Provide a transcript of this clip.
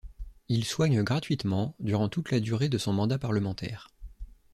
Il soigne gratuitement, durant toute la durée de son mandat parlementaire.